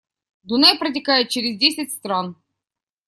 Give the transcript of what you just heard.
Дунай протекает через десять стран